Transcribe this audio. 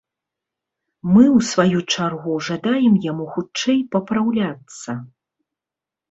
Мы ў сваю чаргу жадаем яму хутчэй папраўляцца!